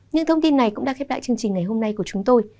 những thông tin này cũng đã khép lại chương trình ngày hôm nay của chúng tôi